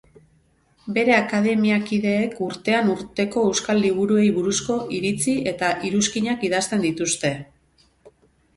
Bere akademiakideek urtean urteko euskal liburuei buruzko iritzi eta iruzkinak idazten dituzte.